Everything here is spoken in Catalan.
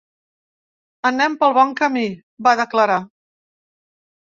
Anem pel bon camí, va declarar.